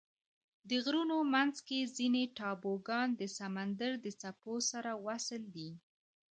د غرونو منځ کې ځینې ټاپوګان د سمندر د څپو سره وصل دي.